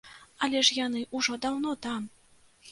Але ж яны ўжо даўно там!